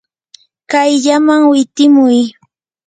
kayllaman witimuy.